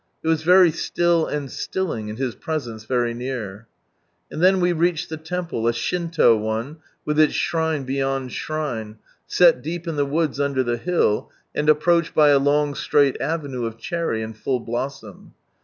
It was very still and stilling, and His Presence very near. And then we reached the Temple, a Shinto one, with its shrine beyond shrine, set deep in the woods under the hill, and approached by a long straight avenue of cherry, in full blossom.